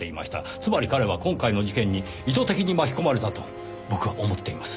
つまり彼は今回の事件に意図的に巻き込まれたと僕は思っています。